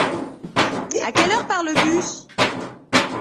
À quelle heure part le bus ?